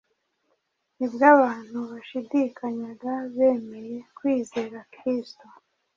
nibwo abantu bashidikanyaga bemeye kwizera Kristo